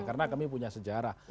karena kami punya sejarah